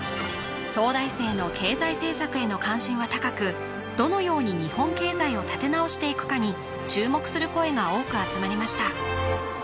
東大生の経済政策への関心は高くどのように日本経済を立て直していくかに注目する声が多く集まりました